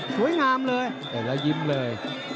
สวยงามเลยเห็นแล้วยิ้มเลย